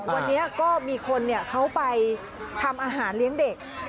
วันนี้ก็มีคนเขาไปทำอาหารเลี้ยงเด็ก